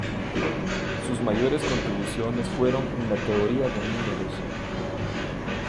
Sus mayores contribuciones fueron en la teoría de números.